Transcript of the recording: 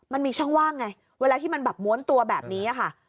มันมีช่องว่างไงเวลาที่มันแบบม้วนตัวแบบนี้ค่ะ